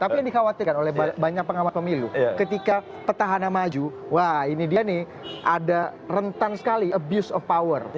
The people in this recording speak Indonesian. tapi yang dikhawatirkan oleh banyak pengamat pemilu ketika petahana maju wah ini dia nih ada rentan sekali abuse of power